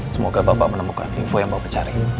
semoga bapak menemukan info yang bapak cari